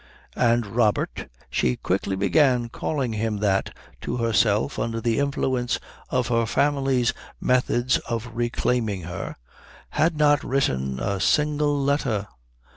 And Robert she quickly began calling him that to herself under the influence of her family's methods of reclaiming her had not written a single letter.